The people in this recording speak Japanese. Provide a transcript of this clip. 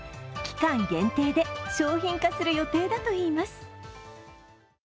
期間限定で商品化する予定だといいます。